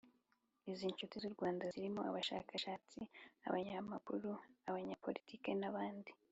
Izi nshuti z’u Rwanda zirimo abashakashatsi, abanyamakuru abanyapolitiki n’ abandi